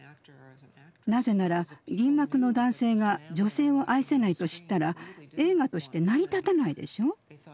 なぜなら銀幕の男性が女性を愛せないと知ったら映画として成り立たないでしょう。